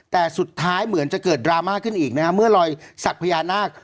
แต่สุดท้ายเหมือนจะเกิดดราม่าขึ้นอีกนะฮะเมื่อรอยสักพญานาค